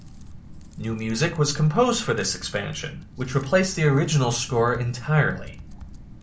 New music was composed for this expansion, which replaced the original score entirely.